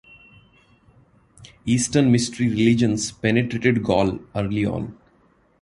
Eastern mystery religions penetrated Gaul early on.